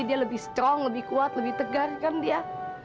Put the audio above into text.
dia lebih kuat lebih tegar kan dia